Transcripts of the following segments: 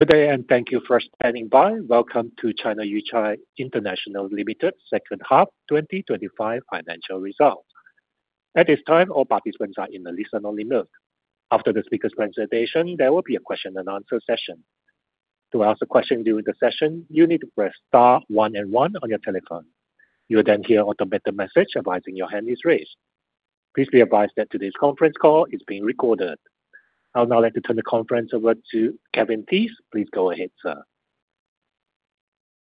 Good day, and thank you for standing by. Welcome to China Yuchai International Limited, second half, 2025 financial results. At this time, all participants are in a listen-only mode. After the speaker's presentation, there will be a question and answer session. To ask a question during the session, you need to press star one and one on your telephone. You will then hear an automated message advising your hand is raised. Please be advised that today's conference call is being recorded. I would now like to turn the conference over to Kevin Theiss. Please go ahead, sir.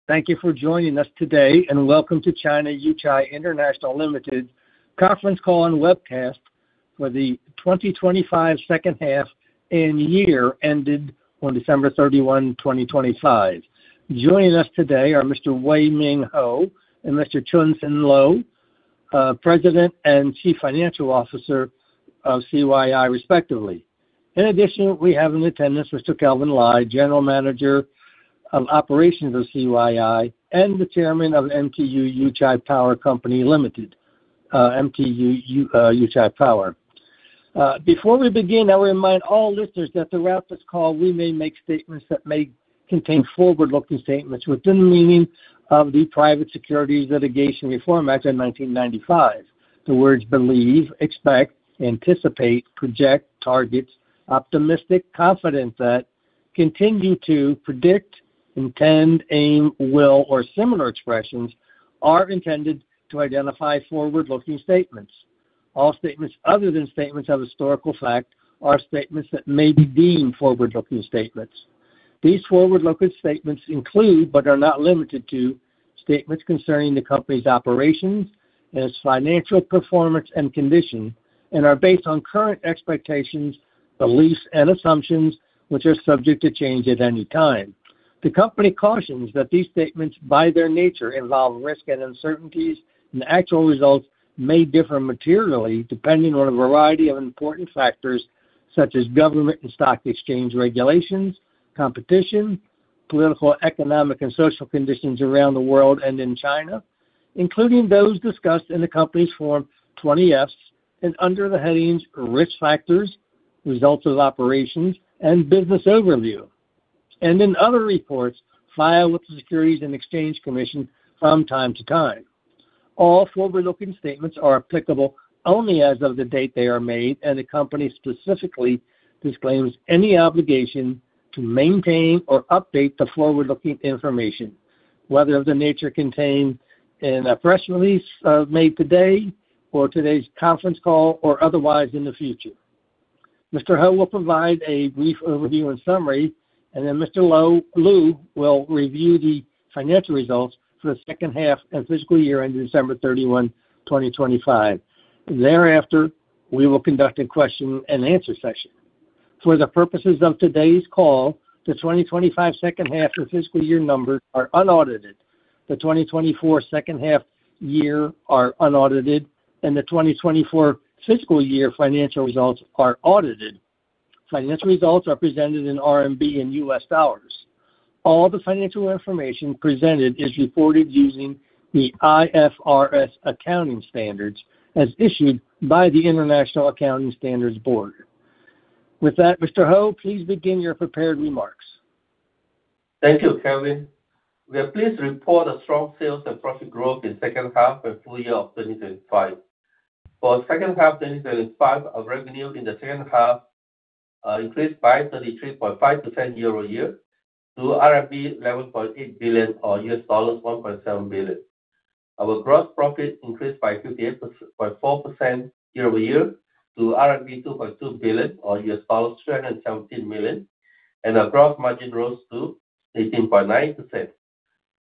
Thank you for joining us today, welcome to China Yuchai International Limited conference call and webcast for the 2025 second half and year ended on December 31, 2025. Joining us today are Mr. Weng Ming Hoh and Mr. Choon Sen Loo, President and Chief Financial Officer of CYI, respectively. In addition, we have in attendance Mr. Kelvin Lai, General Manager of Operations of CYI and the Chairman of MTU Yuchai Power Company Limited. Before we begin, I will remind all listeners that throughout this call, we may make statements that may contain forward-looking statements within the meaning of the Private Securities Litigation Reform Act of 1995. The words believe, expect, anticipate, project, targets, optimistic, confident that, continue to, predict, intend, aim, will, or similar expressions are intended to identify forward-looking statements. All statements other than statements of historical fact are statements that may be deemed forward-looking statements. These forward-looking statements include, but are not limited to, statements concerning the company's operations and its financial performance and condition, and are based on current expectations, beliefs, and assumptions, which are subject to change at any time. The company cautions that these statements, by their nature, involve risk and uncertainties, and actual results may differ materially depending on a variety of important factors, such as government and stock exchange regulations, competition, political, economic, and social conditions around the world and in China, including those discussed in the company's Form 20-Fs and under the headings Risk Factors, Results of Operations, and Business Overview, and in other reports filed with the Securities and Exchange Commission from time to time. All forward-looking statements are applicable only as of the date they are made, and the company specifically disclaims any obligation to maintain or update the forward-looking information, whether of the nature contained in a press release made today or today's conference call or otherwise in the future. Mr. Hoh will provide a brief overview and summary, and then Mr. Loo, will review the financial results for the second half and fiscal year ending December 31, 2025. Thereafter, we will conduct a question and answer session. For the purposes of today's call, the 2025 second half and fiscal year numbers are unaudited, the 2024 second half year are unaudited, and the 2024 fiscal year financial results are audited. Financial results are presented in RMB and U.S. dollars. All the financial information presented is reported using the IFRS accounting standards, as issued by the International Accounting Standards Board. With that, Mr. Hoh, please begin your prepared remarks. Thank you, Kevin. We are pleased to report a strong sales and profit growth in second half and full year of 2025. For second half 2025, our revenue in the second half increased by 33.5% year-over-year to RMB 11.8 billion, or $1.7 billion. Our gross profit increased by 58.4% year-over-year to RMB 2.2 billion, or $317 million, and our gross margin rose to 18.9%.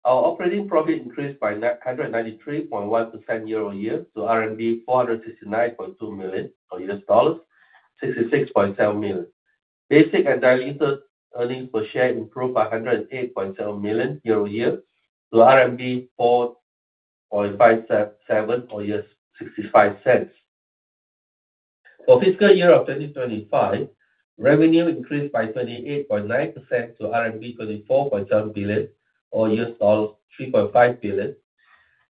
Our operating profit increased by 993.1% year-over-year to RMB 469.2 million, or $66.7 million. Basic and diluted earnings per share improved by 108.7 million year-over-year to RMB 4.57, or $0.65. For fiscal year of 2025, revenue increased by 38.9% to RMB 34.7 billion, or $3.5 billion.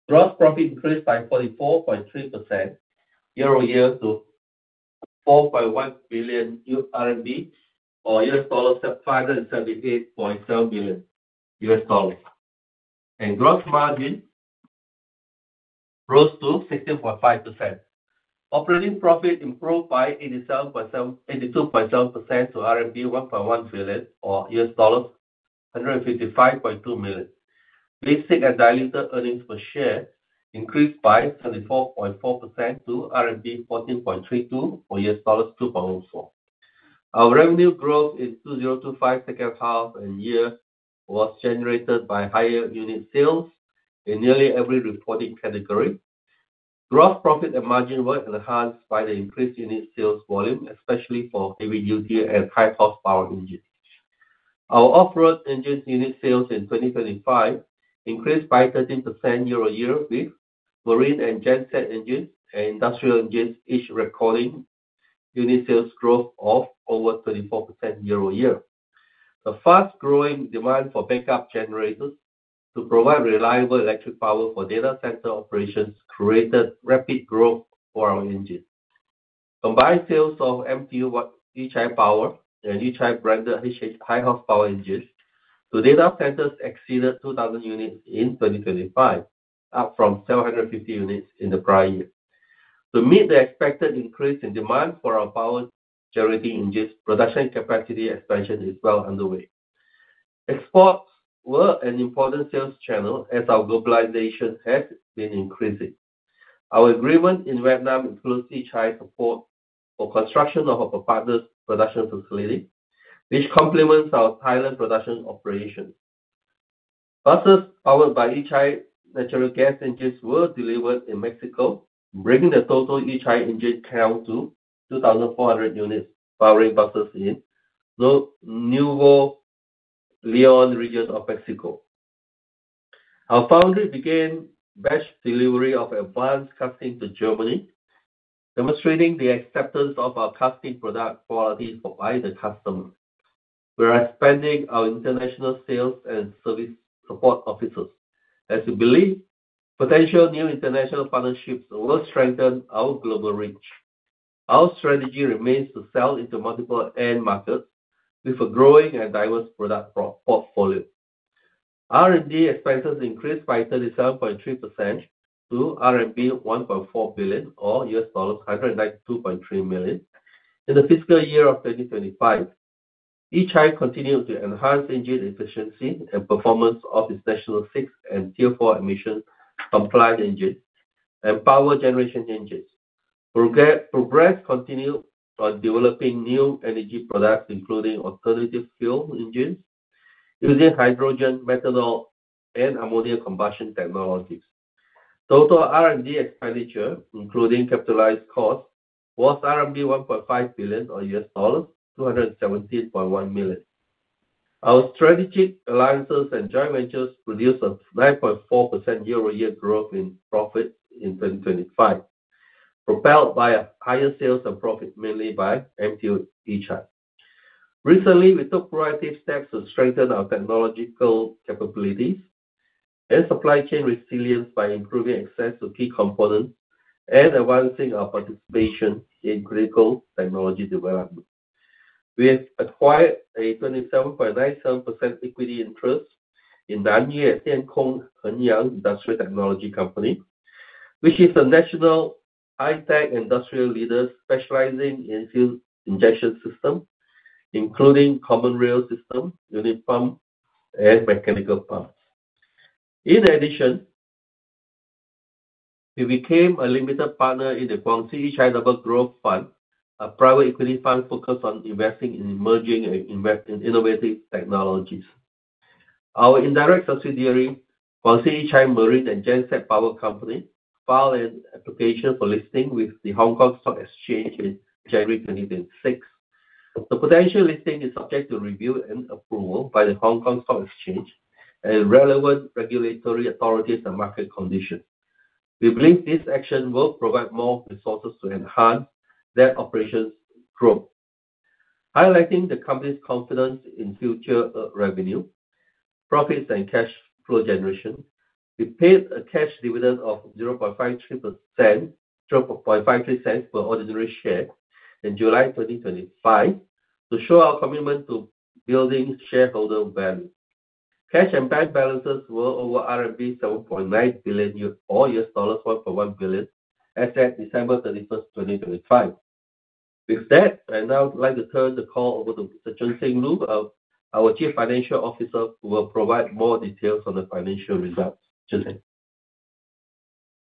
Gross profit increased by 44.3% year-over-year to RMB 4.1 billion, or $578.7 billion. Gross margin rose to 16.5%. Operating profit improved by 82.7% to RMB 1.1 billion, or $155.2 million. Basic and diluted earnings per share increased by 34.4% to RMB 14.32, or $2.4. Our revenue growth in 2025 second half and year was generated by higher unit sales in nearly every reporting category. Gross profit and margin were enhanced by the increased unit sales volume, especially for heavy-duty and high-horsepower engines. Our off-road engines unit sales in 2025 increased by 13% year-over-year, with marine and genset engines and industrial engines each recording unit sales growth of over 34% year-over-year. The fast-growing demand for backup generators to provide reliable electric power for data center operations created rapid growth for our engines. Combined sales of MTU, Yuchai Power, and Yuchai branded high-horsepower engines to data centers exceeded 2,000 units in 2025, up from 750 units in the prior year. To meet the expected increase in demand for our power generating engines, production capacity expansion is well underway. Exports were an important sales channel as our globalization has been increasing. Our agreement in Vietnam includes Yuchai support for construction of our partner's production facility, which complements our pilot production operation. Buses powered by Yuchai natural gas engines were delivered in Mexico, bringing the total Yuchai engine count to 2,400 units, powering buses in the Nuevo León region of Mexico. Our foundry began batch delivery of advanced casting to Germany, demonstrating the acceptance of our casting product quality by the customer. We are expanding our international sales and service support offices, as we believe potential new international partnerships will strengthen our global reach. Our strategy remains to sell into multiple end markets with a growing and diverse product portfolio. R&D expenses increased by 37.3% to RMB 1.4 billion or $192.3 million. In the fiscal year of 2025, Yuchai continued to enhance engine efficiency and performance of its National VI and Tier 4 emission compliance engines and power generation engines. progress continued on developing new energy products, including alternative fuel engines, using hydrogen, methanol, and ammonia combustion technologies. Total R&D expenditure, including capitalized costs, was RMB 1.5 billion, or $217.1 million. Our strategic alliances and joint ventures produced a 9.4% year-over-year growth in profit in 2025, propelled by a higher sales and profit, mainly by MTU Yuchai. Recently, we took proactive steps to strengthen our technological capabilities and supply chain resilience by improving access to key components and advancing our participation in critical technology development. We have acquired a 27.97% equity interest in Nanyue Diankong Industrial Technology Company, which is a national high-tech industrial leader specializing in fuel injection system, including common rail system, unit pump, and mechanical pumps. In addition, we became a limited partner in the Guangxi Yuchai Double Growth Fund, a private equity fund focused on investing in emerging and invest in innovative technologies. Our indirect subsidiary, Guangxi Yuchai Marine and Genset Power Company, filed an application for listing with the Hong Kong Stock Exchange in January 26. The potential listing is subject to review and approval by the Hong Kong Stock Exchange and relevant regulatory authorities and market conditions. We believe this action will provide more resources to enhance their operations growth. Highlighting the company's confidence in future revenue, profits, and cash flow generation, we paid a cash dividend of 0.53%, $0.53 per ordinary share in July 2025, to show our commitment to building shareholder value. Cash and bank balances were over RMB 7.9 billion year or $1.1 billion, as at December 31, 2025. With that, I'd now like to turn the call over to Mr. Choon Sen Loo, our Chief Financial Officer, who will provide more details on the financial results. Choon Sen.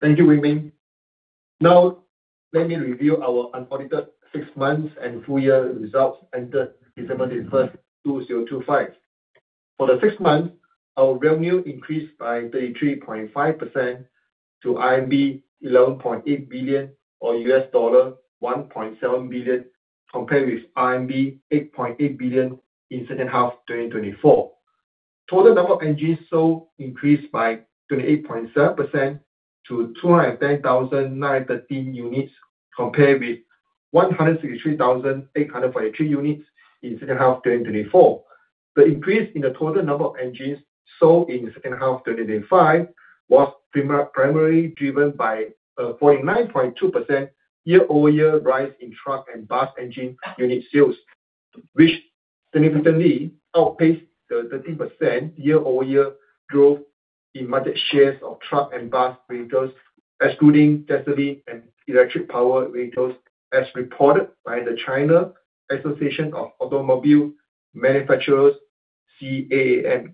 Thank you, Weng Ming. Let me review our unaudited six months and full year results ended December 31st, 2025. For the six months, our revenue increased by 33.5% to RMB 11.8 billion, or $1.7 billion, compared with RMB 8.8 billion in second half 2024. Total number of engines sold increased by 28.7% to 210,913 units, compared with 163,843 units in second half 2024. The increase in the total number of engines sold in second half 2025 was primarily driven by a 49.2% year-over-year rise in truck and bus engine unit sales, which significantly outpaced the 13% year-over-year growth in market shares of truck and bus vehicles, excluding gasoline and electric-powered vehicles, as reported by the China Association of Automobile Manufacturers, CAAM.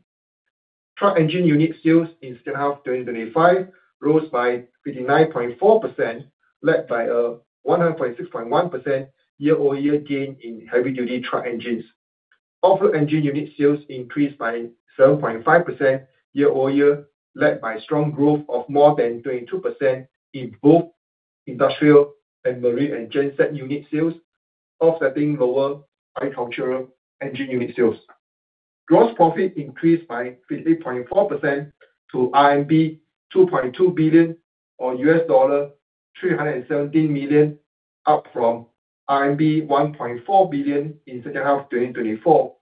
Truck engine unit sales in second half 2025 rose by 59.4%, led by a 100.61% year-over-year gain in heavy-duty truck engines. Off-road engine unit sales increased by 7.5% year-over-year, led by strong growth of more than 22% in both industrial and marine and genset unit sales, offsetting lower agricultural engine unit sales. Gross profit increased by 50.4% to RMB 2.2 billion, or $317 million, up from RMB 1.4 billion in second half 2024.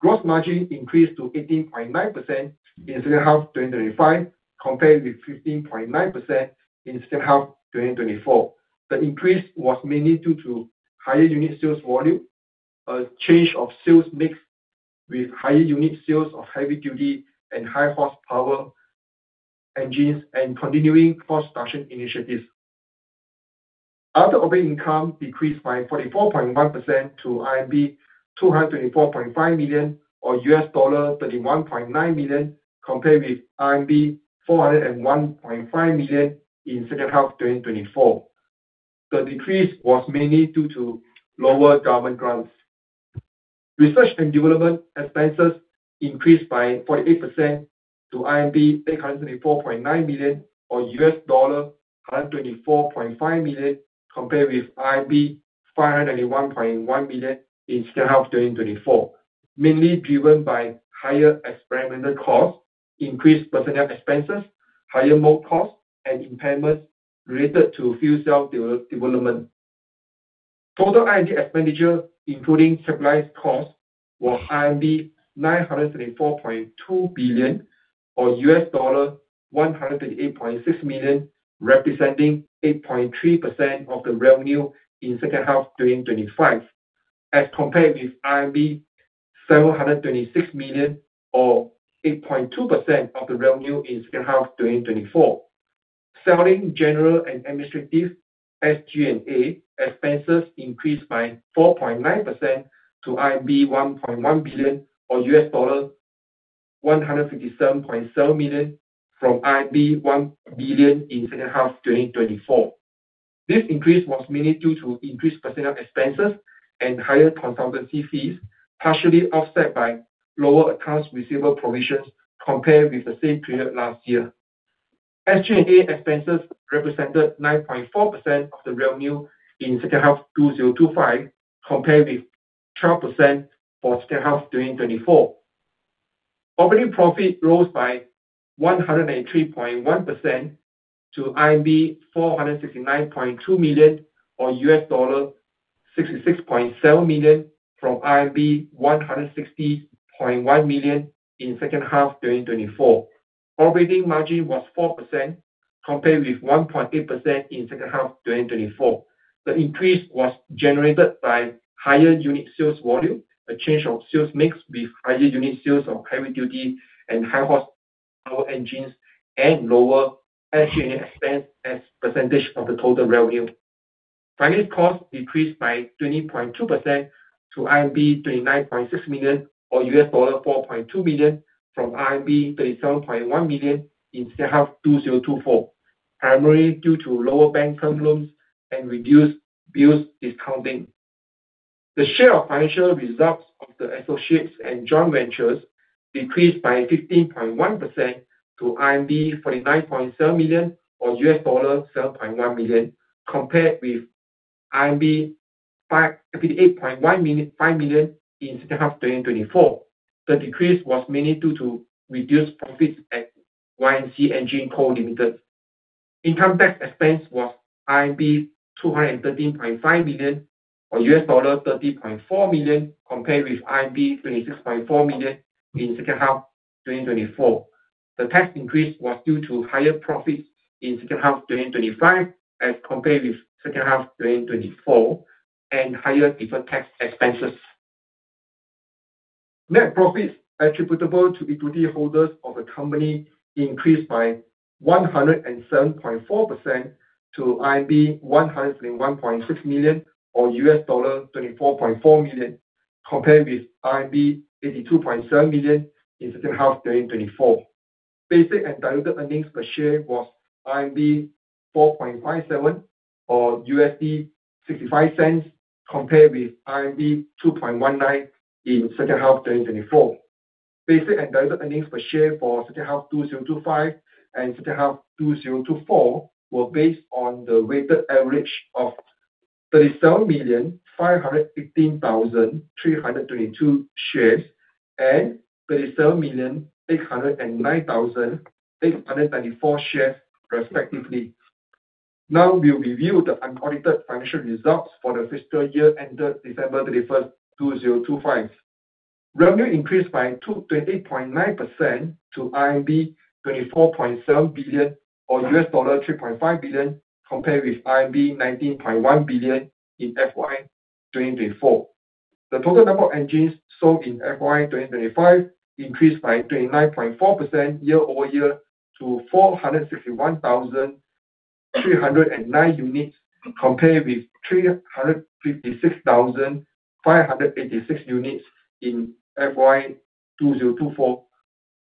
Gross margin increased to 18.9% in second half 2025, compared with 15.9% in second half 2024. The increase was mainly due to higher unit sales volume, a change of sales mix with higher unit sales of heavy duty and high horsepower engines, and continuing cost reduction initiatives. Other operating income decreased by 44.1% to 224.5 million, or $31.9 million, compared with RMB 401.5 million in second half 2024. The decrease was mainly due to lower government grants. Research and development expenses increased by 48% to 884.9 million, or $124.5 million, compared with 581.1 million in second half 2024. Mainly driven by higher experimental costs, increased personnel expenses, higher mold costs, and impairments related to fuel cell development. Total R&D expenditure, including capitalized costs, were RMB 984.2 billion, or $128.6 million, representing 8.3% of the revenue in second half 2025, as compared with RMB 726 million or 8.2% of the revenue in second half 2024. Selling general and administrative, SG&A, expenses increased by 4.9% to 1.1 billion, or $157.7 million, from 1 billion in second half 2024. This increase was mainly due to increased personnel expenses and higher consultancy fees, partially offset by lower accounts receivable provisions compared with the same period last year. SG&A expenses represented 9.4% of the revenue in second half 2025, compared with 12% for second half 2024. Operating profit rose by 103.1% to 469.2 million, or $66.7 million, from 160.1 million in second half 2024. Operating margin was 4%, compared with 1.8% in second half 2024. The increase was generated by higher unit sales volume, a change of sales mix with higher unit sales of heavy duty and high horsepower engines, and lower SG&A expense as percentage of the total revenue. Finance cost decreased by 20.2% to RMB 29.6 million, or $4.2 million, from RMB 37.1 million in second half 2024. Primarily due to lower bank term loans and reduced bills discounting. The share of financial results of the associates and joint ventures decreased by 15.1% to RMB 49.7 million or $7.1 million, compared with RMB 58.1 million in second half 2024. The decrease was mainly due to reduced profits at Y&C Engine Co., Ltd. Income tax expense was 213.5 million, or $30.4 million, compared with 26.4 million in second half 2024. The tax increase was due to higher profits in second half 2025 as compared with second half 2024, and higher deferred tax expenses. Net profits attributable to the equity holders of the company increased by 107.4% to 101.6 million or $24.4 million, compared with 82.7 million in second half 2024. Basic and diluted earnings per share was 4.57 or $0.65, compared with 2.19 in second half 2024. Basic and diluted earnings per share for second half 2025 and second half 2024 were based on the weighted average of 37,515,322 shares, and 37,809,894 shares, respectively. Now, we review the unaudited financial results for the fiscal year ended December 31, 2025. Revenue increased by 20.9% to 24.7 billion or $3.5 billion, compared with 19.1 billion in FY 2024. The total number of engines sold in FY 2025 increased by 29.4% year-over-year to 461,309 units, compared with 356,586 units in FY 2024.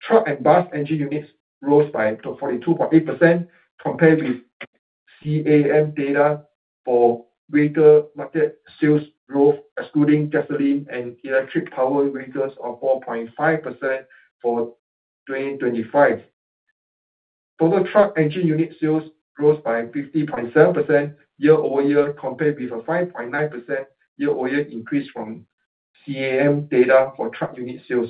Truck and bus engine units rose by 42.8%, compared with CAAM data for greater market sales growth, excluding gasoline and electric powered vehicles of 4.5% for 2025. Total truck engine unit sales rose by 50.7% year-over-year, compared with a 5.9% year-over-year increase from CAAM data for truck unit sales.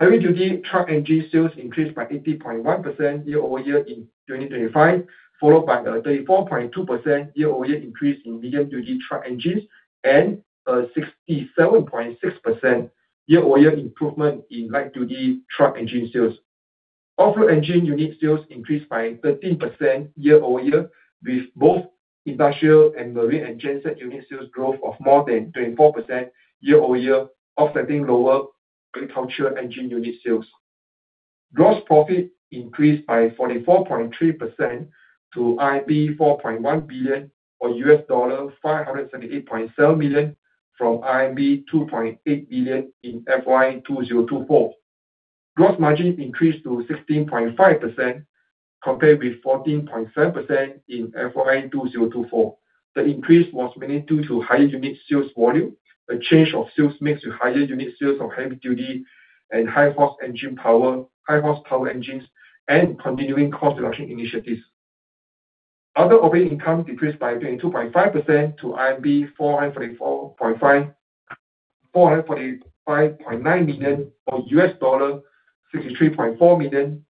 Heavy-duty truck engine sales increased by 80.1% year-over-year in 2025, followed by a 34.2% year-over-year increase in medium-duty truck engines, and a 67.6% year-over-year improvement in light-duty truck engine sales. Off-road engine unit sales increased by 13% year-over-year, with both industrial and marine engine set unit sales growth of more than 24% year-over-year, offsetting lower agricultural engine unit sales. Gross profit increased by 44.3% to 4.1 billion, or $578.7 million, from 2.8 billion in FY 2024. Gross margin increased to 16.5%, compared with 14.7% in FY 2024. The increase was mainly due to higher unit sales volume, a change of sales mix to higher unit sales of heavy-duty and high horse engine power, high horsepower engines, and continuing cost reduction initiatives. Other operating income decreased by 22.5% to 445.9 million, or $63.4 million,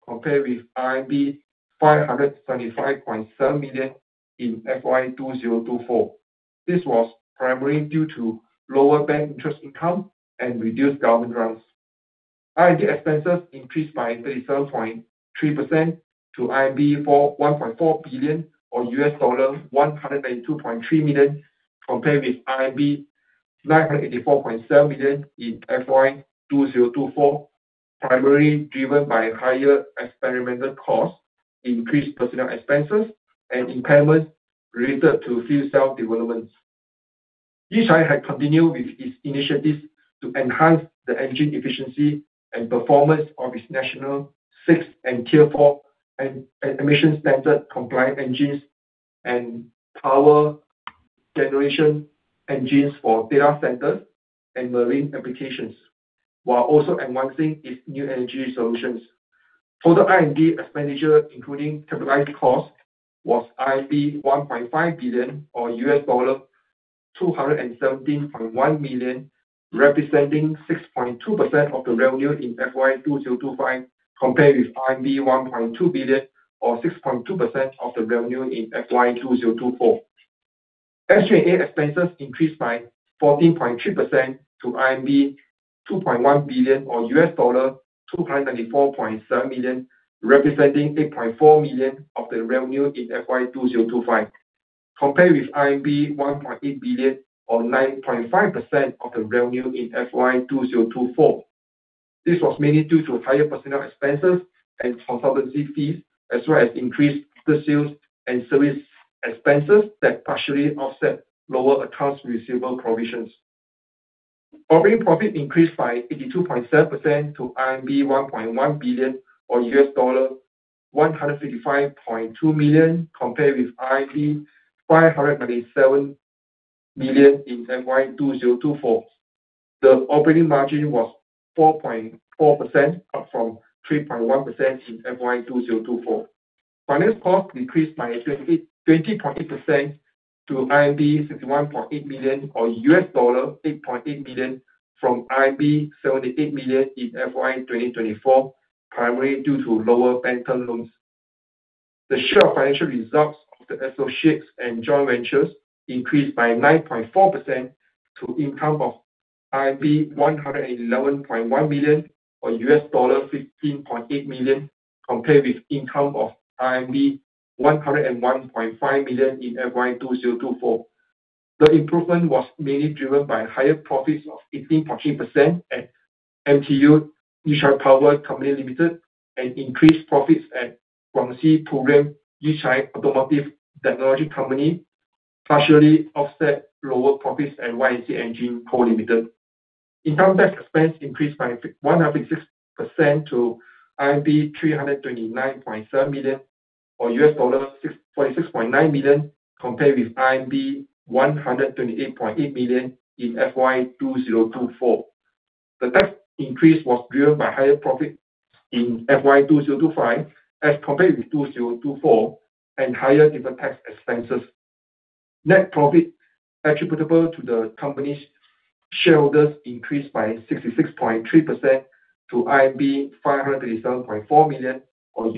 compared with RMB 575.7 million in FY 2024. This was primarily due to lower bank interest income and reduced government grants. R&D expenses increased by 37.3% to 1.4 billion, or $192.3 million, compared with 984.7 million in FY 2024, primarily driven by higher experimental costs, increased personnel expenses, and impairment related to fuel cell developments. Yuchai had continued with its initiatives to enhance the engine efficiency and performance of its National VI and Tier 4 emission standard compliant engines and power generation engines for data centers and marine applications, while also enhancing its new energy solutions. Total R&D expenditure, including capitalized costs, was RMB 1.5 billion or $217.1 million, representing 6.2% of the revenue in FY 2025, compared with RMB 1.2 billion or 6.2% of the revenue in FY 2024. SG&A expenses increased by 14.3% to 2.1 billion or $294.7 million, representing 8.4 million of the revenue in FY 2025, compared with 1.8 billion or 9.5% of the revenue in FY 2024. This was mainly due to higher personnel expenses and consultancy fees, as well as increased good sales and service expenses that partially offset lower accounts receivable provisions. Operating profit increased by 82.7% to RMB 1.1 billion or $155.2 million, compared with RMB 597 million in FY 2024. The operating margin was 4.4%, up from 3.1% in FY 2024. Finance cost decreased by 20.8% to 61.8 million, or $8.8 million, from 78 million in FY 2024, primarily due to lower bank term loans. The share of financial results of the associates and joint ventures increased by 9.4% to income of 111.1 million, or $15.8 million, compared with income of 101.5 million in FY 2024. The improvement was mainly driven by higher profits of 18.3% at MTU Yuchai Power Company Limited, and increased profits at Guangxi Purem Yuchai Automotive Technology Company, partially offset lower profits at Y&C Engine Co Limited. Income tax expense increased by 160% to 329.7 million, or $646.9 million, compared with 128.8 million in FY 2024. The tax increase was driven by higher profit in FY 2025 as compared with 2024 and higher income tax expenses. Net profit attributable to the company's shareholders increased by 66.3% to 537.4 million, or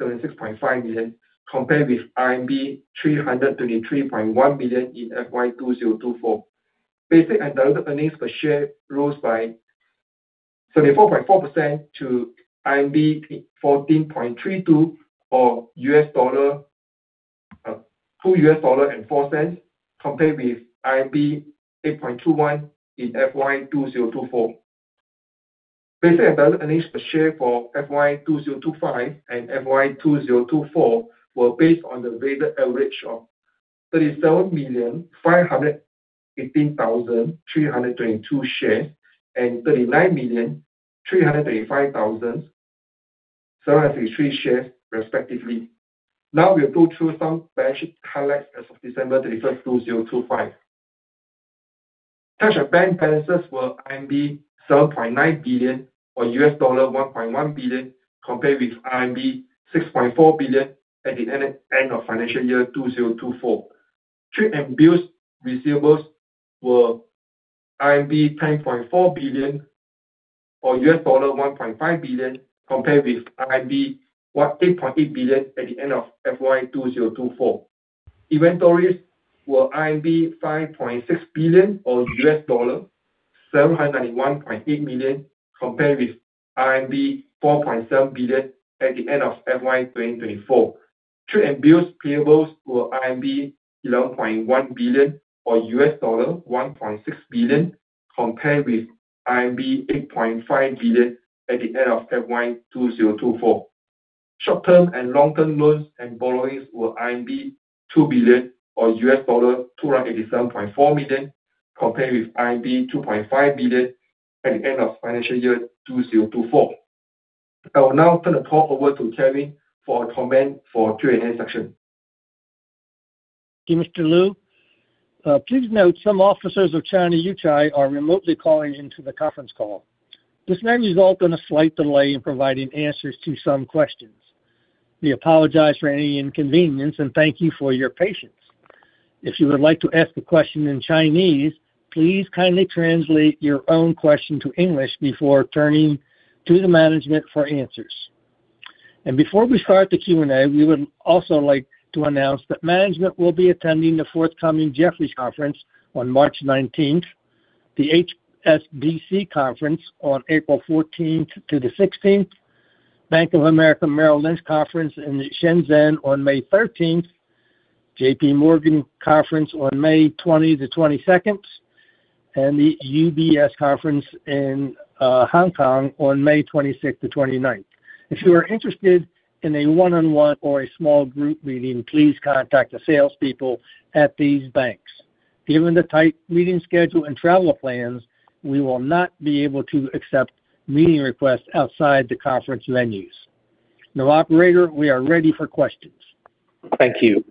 $76.5 million, compared with 323.1 million in FY 2024. Basic and diluted earnings per share rose by 34.4% to RMB 14.32 or $2.04, compared with 8.21 in FY 2024. Basic and diluted earnings per share for FY 2025 and FY 2024 were based on the weighted average of 37,518,322 shares and 39,385,703 shares, respectively. Now, we'll go through some balance sheet highlights as of December 31, 2025. Cash and bank balances were 7.9 billion, or $1.1 billion, compared with RMB 6.4 billion at the end of financial year 2024. Trade and bills receivables were RMB 10.4 billion, or $1.5 billion, compared with RMB 8.8 billion at the end of FY 2024. Inventories were RMB 5.6 billion or $791.8 million, compared with RMB 4.7 billion at the end of FY 2024. Trade and bills payables were RMB 11.1 billion, or $1.6 billion, compared with RMB 8.5 billion at the end of FY 2024. Short-term and long-term loans and borrowings were 2 billion or $287.4 million, compared with 2.5 billion at the end of financial year 2024. I will now turn the call over to Kevin for a comment for Q&A session. Thank you, Mr. Loo. Please note some officers of China Yuchai are remotely calling into the conference call. This may result in a slight delay in providing answers to some questions. We apologize for any inconvenience, thank you for your patience. If you would like to ask a question in Chinese, please kindly translate your own question to English before turning to the management for answers. Before we start the Q&A, we would also like to announce that management will be attending the forthcoming Jefferies Conference on March 19th, the HSBC Conference on April 14th-16th, Bank of America Merrill Lynch conference in Shenzhen on May 13th, JP Morgan conference on May 20th-22nd, and the UBS conference in Hong Kong on May 26th-29th. If you are interested in a one-on-one or a small group meeting, please contact the salespeople at these banks. Given the tight meeting schedule and travel plans, we will not be able to accept meeting requests outside the conference venues. Now, operator, we are ready for questions. Thank you.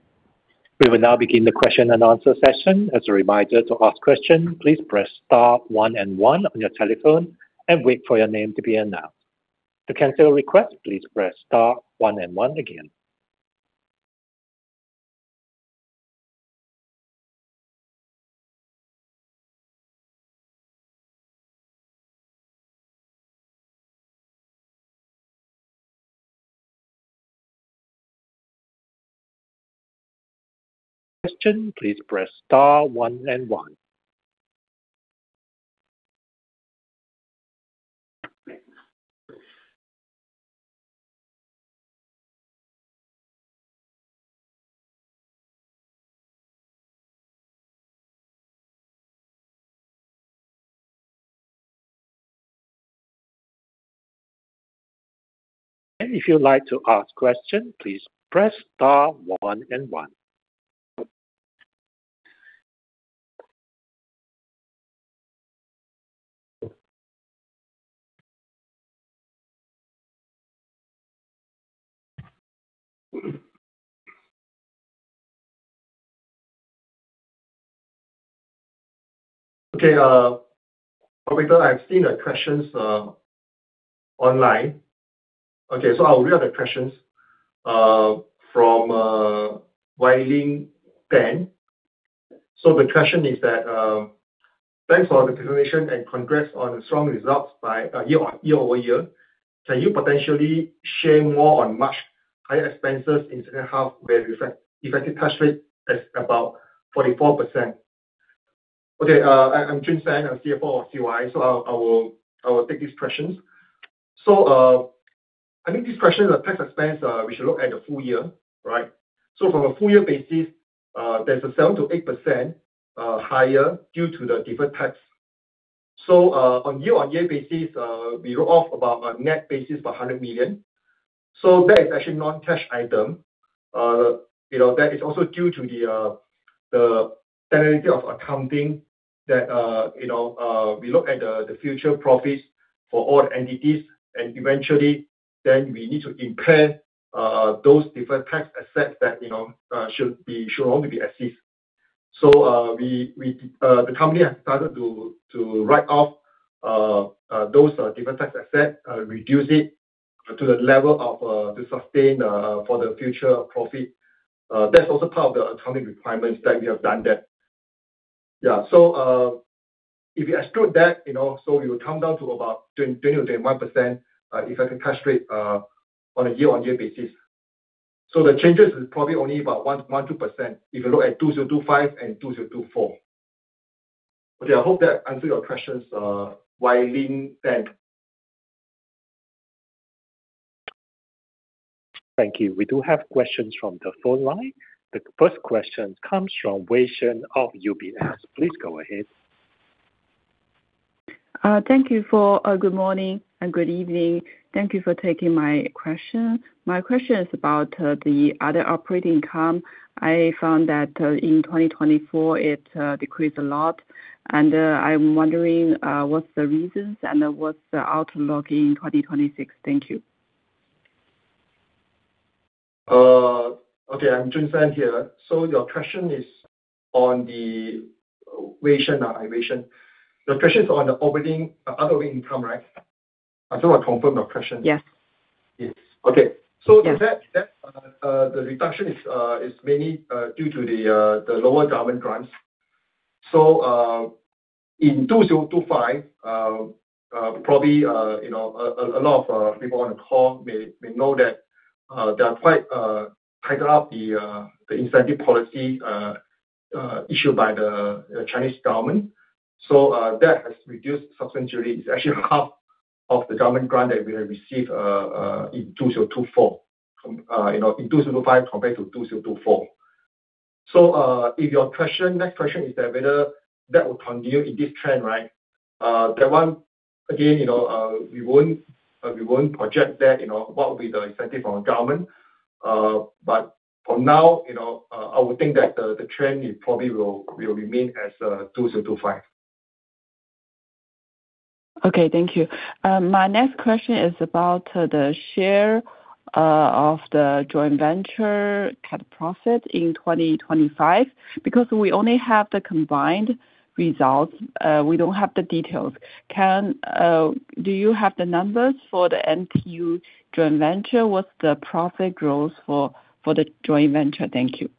We will now begin the question and answer session. As a reminder to ask question, please press star one and one on your telephone and wait for your name to be announced. To cancel a request, please press star one and one again. Question, please press star one and one. If you'd like to ask question, please press star one and one. Operator, I've seen the questions online. I'll read out the questions from Weiliang Tan. The question is that, "Thanks for the information and congrats on the strong results year-over-year. Can you potentially share more on much higher expenses in second half where effective tax rate is about 44%?" I'm Choon Sen, I'm CFO of CY, I will take these questions. I think this question is a tax expense, we should look at the full year, right? From a full year basis, there's a 7%-8% higher due to the different tax. On year-on-year basis, we wrote off about a net basis for 100 million. That is actually non-cash item. You know, that is also due to the generality of accounting that, you know, we look at the future profits for all entities. Eventually, then we need to impair those different tax assets that, you know, should only be assessed. The company has decided to write off those different tax asset, reduce it to the level to sustain for the future profit. That's also part of the accounting requirements that we have done that. Yeah. If you exclude that, you know, you come down to about 20-21% effective tax rate on a year-on-year basis. The changes is probably only about 1%-2%, if you look at 2025 and 2024. Okay, I hope that answer your questions, Weiliang Tan. Thank you. We do have questions from the phone line. The first question comes from Wei Shen of UBS. Please go ahead. Thank you for good morning and good evening. Thank you for taking my question. My question is about the other operating income. I found that in 2024, it decreased a lot, and I'm wondering what's the reasons and what's the outlook in 2026? Thank you. Okay, I'm Choon Sen Loo here. Your question is on the Wei Shen. The question is on the other operating income, right? I just want to confirm your question? Yes. Yes. Okay. Yes. That the reduction is mainly due to the lower government grants. In 2025, probably, you know, a lot of people on the call may know that there are quite tighten up the incentive policy issued by the Chinese government. That has reduced substantially. It's actually half of the government grant that we have received in 2024. You know, in 2025 compared to 2024. If your question, next question is that whether that will continue in this trend, right? That one, again, you know, we won't project that, you know, what will be the incentive from the government. For now, you know, I would think that the trend it probably will remain as, 2025. Okay, thank you. My next question is about the share of the joint venture cat profit in 2025. Because we only have the combined results, we don't have the details. Do you have the numbers for the MTU joint venture? What's the profit growth for the joint venture? Thank you.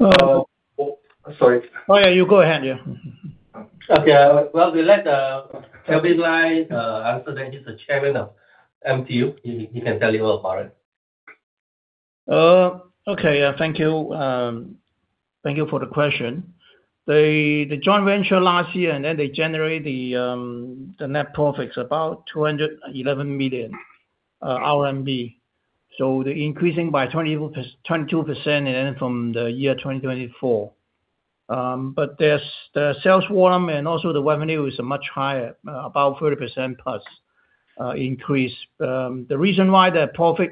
Uh- Sorry. Oh, yeah, you go ahead, yeah. Okay. Well, we let Kelvin Lai answer that. He's the chairman of MTU. He can tell you all about it. Okay. Thank you. Thank you for the question. The joint venture last year, they generate the net profits about 211 million RMB. They're increasing by 22% from the year 2024. The sales volume and also the revenue is much higher, about 30% + increase. The reason why the profit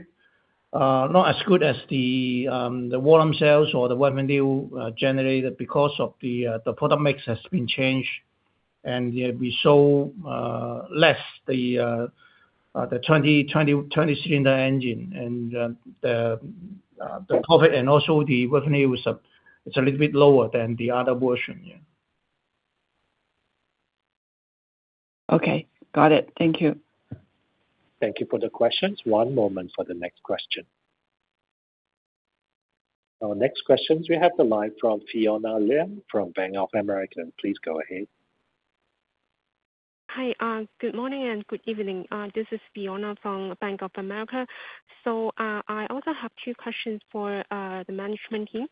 not as good as the volume sales or the revenue generated, because of the product mix has been changed. Yeah, we sold less the 20-cylinder engine, the profit and also the revenue is a little bit lower than the other version, yeah. Okay. Got it. Thank you. Thank you for the questions. One moment for the next question. Our next question, we have the line from Fiona Lim from Bank of America. Please go ahead. Hi. Good morning and good evening. This is Fiona from Bank of America. I also have two questions for the management team.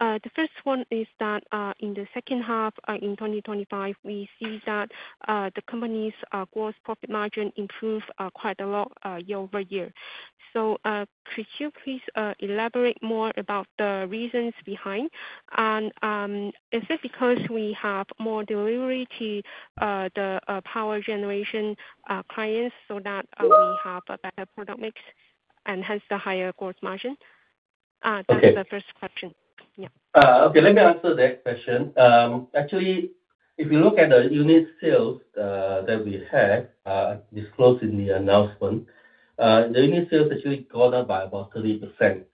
The first one is that in the second half in 2025, we see that the company's gross profit margin improved quite a lot year-over-year. Could you please elaborate more about the reasons behind? Is it because we have more delivery to the power generation clients so that we have a better product mix and hence the higher gross margin? Okay. That is the first question. Yeah. Okay, let me answer that question. Actually, if you look at the unit sales that we have disclosed in the announcement, the unit sales actually go down by about 30%.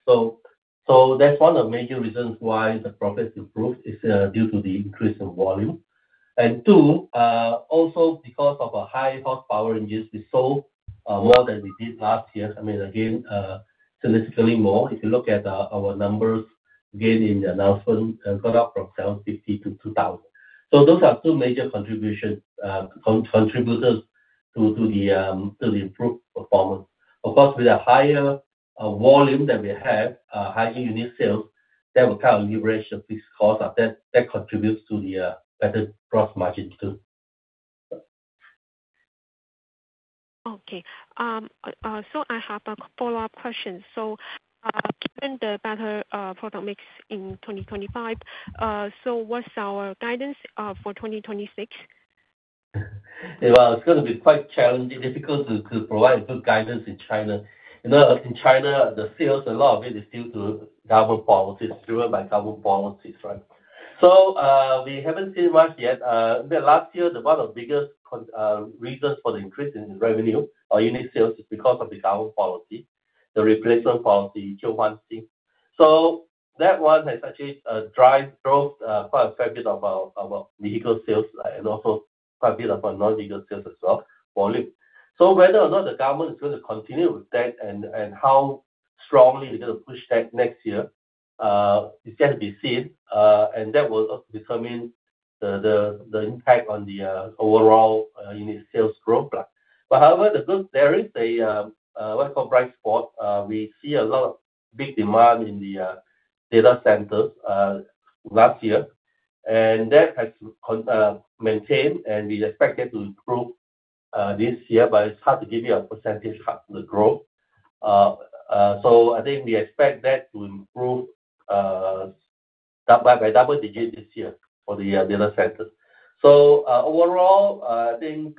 That's one of the major reasons why the profit improved, is due to the increase in volume. Two, also because of a high horsepower engines, we sold more than we did last year. I mean, again, significantly more. If you look at our numbers, again, in the announcement, go up from 750 to 2,000. Those are two major contributions, contributors to the improved performance. Of course, with a higher volume that we have, higher unit sales, that will kind of leverage the fixed cost, and that contributes to the better gross margin too. Okay. I have a follow-up question. Given the better product mix in 2025, what's our guidance for 2026? Well, it's gonna be quite challenging, difficult to provide good guidance in China. You know, in China, the sales, a lot of it is due to government policies, driven by government policies, right? We haven't seen much yet. The last year, the one of the biggest reasons for the increase in revenue or unit sales is because of the government policy, the replacement policy, Guo Sanquan. That one has actually drive growth, quite a fair bit of our vehicle sales, and also quite a bit of our non-vehicle sales as well, volume. Whether or not the government is going to continue with that and how strongly they're gonna push that next year, it's yet to be seen. That will also determine the, the impact on the, overall, unit sales growth plan. There is a what I call bright spot. We see a lot of big demand in the data centers last year, and that has maintained, and we expect it to improve this year, it's hard to give you a percentage for the growth. I think we expect that to improve by double digits this year for the data centers. Overall, I think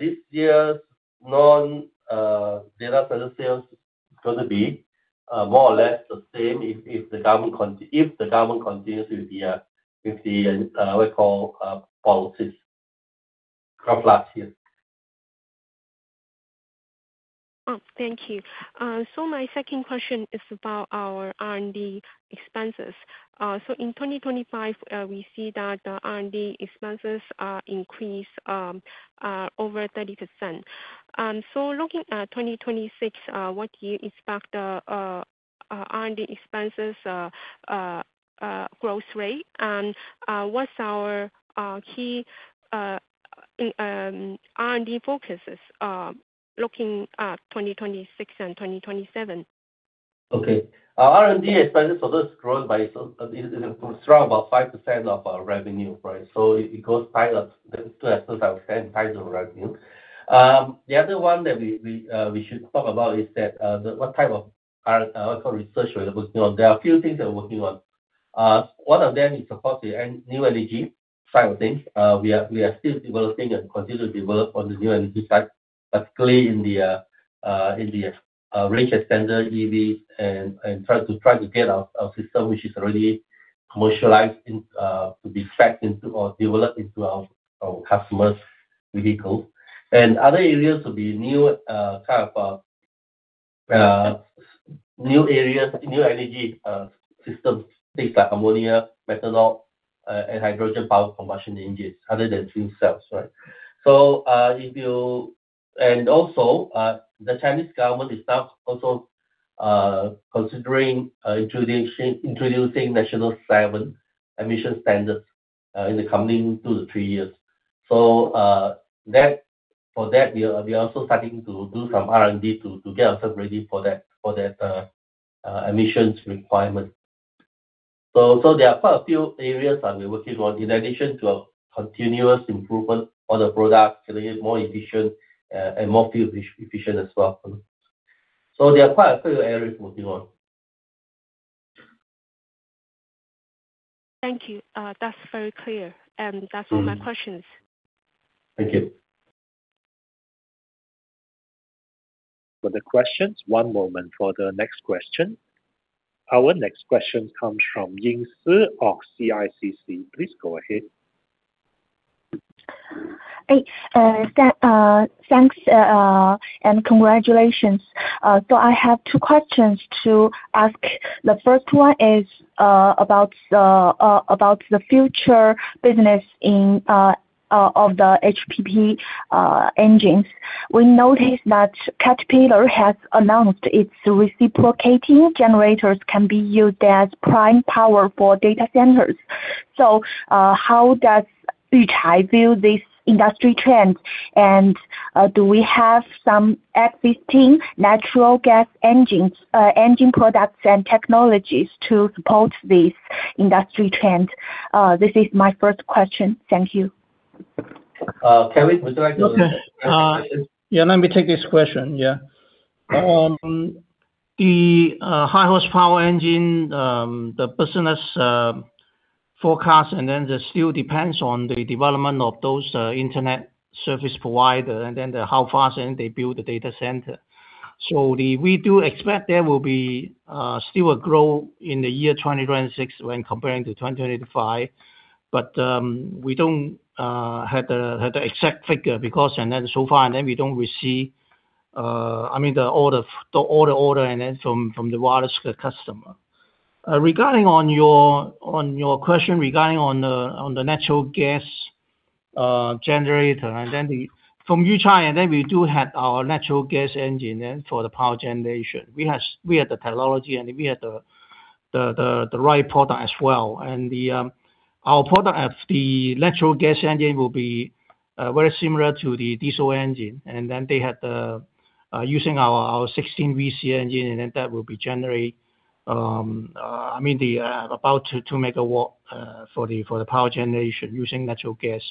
this year's non data center sales is gonna be more or less the same if the government continues with the what we call policies from last year. Thank you. My second question is about our R&D expenses. In 2025, we see that the R&D expenses are increased over 30%. Looking at 2026, what do you expect our R&D expenses growth rate? What's our key R&D focuses looking at 2026 and 2027? Okay. Our R&D expenses for this grown by is around about 5% of our revenue, right? It goes kind of still about 10 times the revenue. The other one that we should talk about is that what type of our research we're working on. There are a few things we're working on. One of them is, of course, new energy side of things. We are still developing and continue to develop on the new energy side, especially in the range extender EV and try to get our system, which is already commercialized in, to be stacked into or developed into our customers' vehicles. Other areas will be new, kind of, new areas, new energy systems, things like ammonia, methanol, and hydrogen power combustion engines other than fuel cells, right? If you, also, the Chinese government is now also considering introducing National VII emission standards in the coming two to three years. That, for that, we are also starting to do some R&D to get ourselves ready for that, for that emissions requirement. There are quite a few areas that we're working on in addition to our continuous improvement on the product to get more efficient and more fuel efficient as well. There are quite a few areas we're working on. Thank you. That's very clear. Mm. my questions. Thank you. For the questions. One moment for the next question. Our next question comes from Ying Si of CICC. Please go ahead. Hey, thanks, and congratulations. I have two questions to ask. The first one is about the about the future business in of the HPP engines. We noticed that Caterpillar has announced its reciprocating generators can be used as prime power for data centers. How does Yuchai view this industry trend? Do we have some existing natural gas engines, engine products and technologies to support this industry trend? This is my first question. Thank you. Kelly, would you like to-? Okay, yeah, let me take this question. The high horsepower engine business forecast still depends on the development of those internet service provider, how fast they build the data center. We do expect there will be still a growth in the year 2026 when comparing to 2025. We don't have the exact figure because so far, we don't receive, I mean, the order from the various customer. Regarding on your question regarding on the natural gas generator. From Yuchai, we do have our natural gas engine, and for the power generation. We have the technology, and we have the right product as well. Our product, the natural gas engine will be very similar to the diesel engine, they have the using our 16VC engine, that will be generate, I mean, about 2 MW for the power generation using natural gas.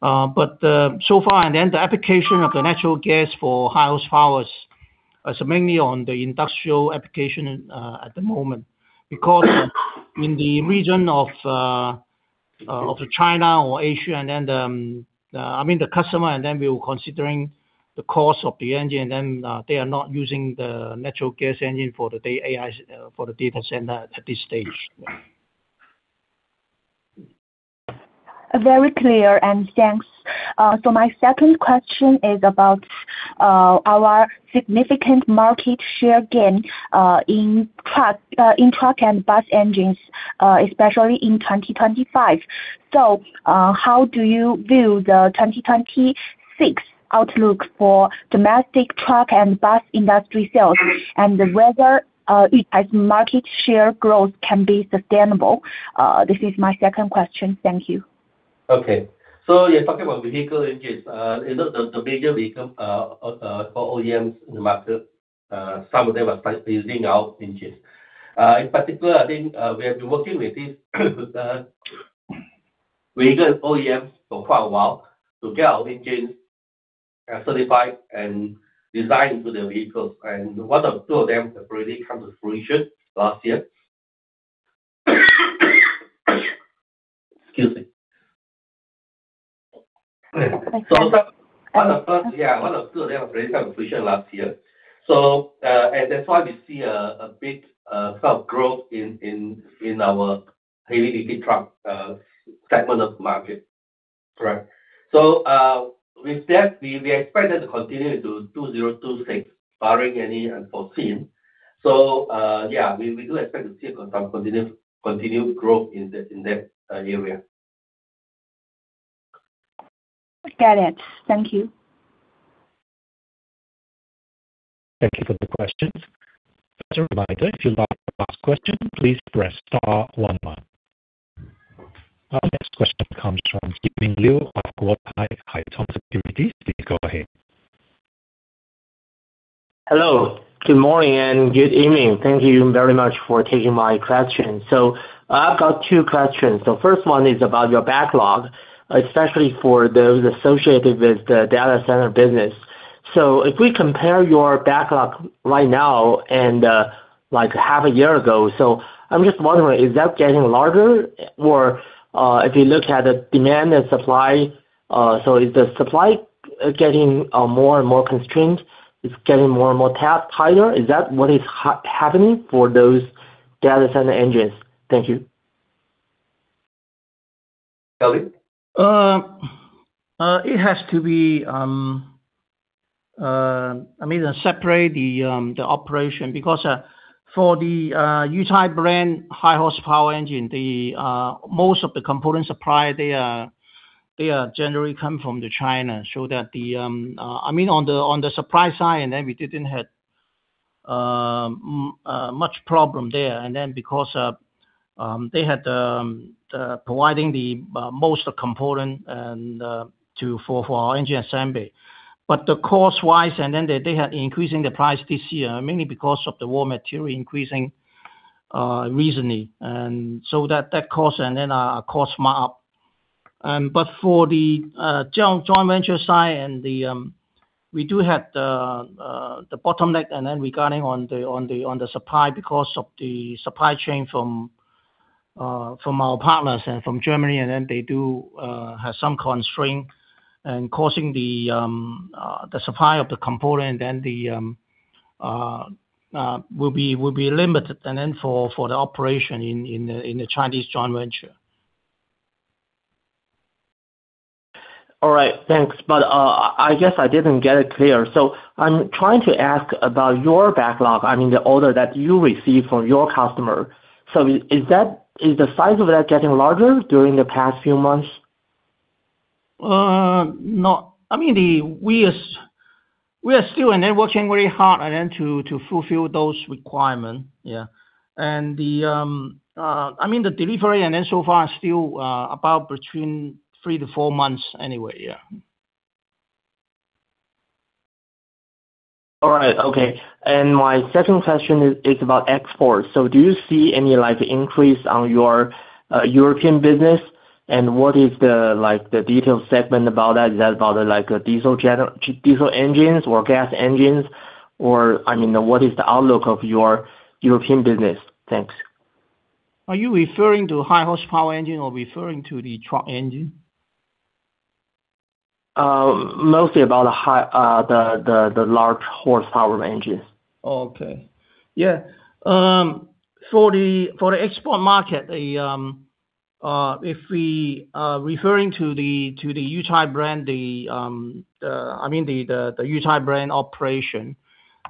The application of the natural gas for highest powers is mainly on the industrial application at the moment. In the region of the China or Asia, and then the, I mean the customer, and then we were considering the cost of the engine, and then they are not using the natural gas engine for the AI for the data center at this stage. Very clear, and thanks. My second question is about our significant market share gain in truck, in truck and bus engines, especially in 2025. How do you view the 2026 outlook for domestic truck and bus industry sales? Whether Yuchai market share growth can be sustainable? This is my second question. Thank you. Okay. You're talking about vehicle engines. you know, the major vehicle OEMs in the market, some of them are start using our engines. In particular, I think, we have been working with this vehicle OEMs for quite a while to get our engines certified and designed to their vehicles. Two of them have already come to fruition last year. Excuse me. Okay. One of the, one of two of them have already come to fruition last year. That's why we see a big, sort of growth in, in our heavy-duty truck, segment of the market. Correct. With that, we expected to continue to 2026, barring any unforeseen. We, we do expect to see a continued growth in the, in that, area. Got it. Thank you. Thank you for the questions. As a reminder, if you'd like to ask question, please press star one one. Our next question comes from Steven Liu of Guotai Junan Securities. Please go ahead. Hello, good morning, and good evening. Thank you very much for taking my question. I've got two questions. The first one is about your backlog, especially for those associated with the data center business. If we compare your backlog right now and, like half a year ago, I'm just wondering, is that getting larger? If you look at the demand and supply, is the supply getting more and more constrained? It's getting more and more tap tighter. Is that what is happening for those data center engines? Thank you. Kelly? It has to be, I mean, separate the operation, because for the Yuchai brand, high horsepower engine, most of the component supply, they are generally come from China. The, I mean, on the supply side, we didn't have much problem there, because they had providing the most component to for our engine assembly. The cost-wise, they had increasing the price this year, mainly because of the raw material increasing recently. That cost a cost markup. For the joint venture side and the, we do have the bottleneck, and then regarding on the supply because of the supply chain from from our partners and from Germany, and then they do have some constraint and causing the supply of the component, then the will be limited, and then for the operation in the Chinese joint venture. All right. Thanks. I guess I didn't get it clear, so I'm trying to ask about your backlog. I mean, the order that you received from your customer. Is the size of that getting larger during the past few months? No. I mean, we are still, they're working very hard to fulfill those requirements. Yeah. I mean, the delivery so far are still about between 3 to 4 months anyway, yeah. All right. Okay. My second question is about export. Do you see any, like, increase on your European business? What is the, like, the detailed segment about that? Is that about, like, a diesel engines or gas engines? I mean, what is the outlook of your European business? Thanks. Are you referring to high horsepower engine or referring to the truck engine? mostly about the large horsepower engine. Okay. Yeah. For the export market, if we referring to the Yuchai brand, I mean, the Yuchai brand operation,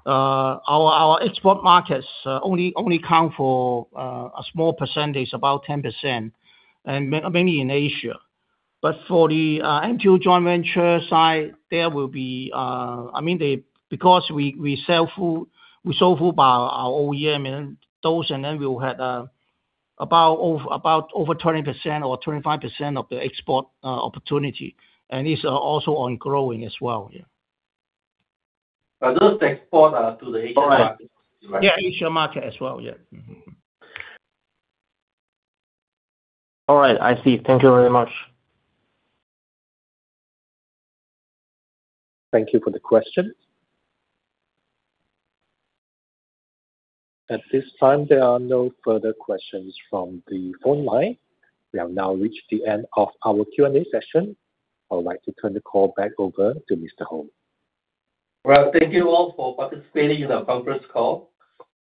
our export markets only account for a small percentage, about 10%, mainly in Asia. For the engine joint venture side, there will be. I mean, because we sell full by our OEM, and those, and then we'll have about over 20% or 25% of the export opportunity, and it's also on growing as well. Yeah. those export are to the Asian market. All right. Yeah, Asian market as well. Yeah. Mm-hmm. All right, I see. Thank you very much. Thank you for the question. At this time, there are no further questions from the phone line. We have now reached the end of our Q&A session. I would like to turn the call back over to Mr. Hoh. Well, thank you all for participating in our conference call.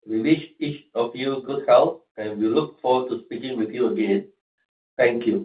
We wish each of you good health, and we look forward to speaking with you again. Thank you.